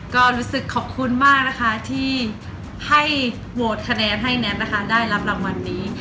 ก็รู้สึกขอบคุณมากนะคะที่ให้โหวตคะแนนให้แน็ตนะคะได้รับรางวัลนี้